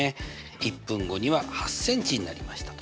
１分後には８ｃｍになりましたと。